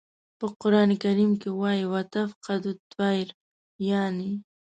په قرآن کریم کې وایي "و تفقد الطیر" یانې.